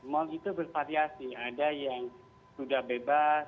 mal itu bervariasi ada yang sudah bebas